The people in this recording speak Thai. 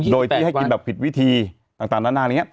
โดยที่ให้กินแบบผิดวิธีต่างนานาอะไรอย่างนี้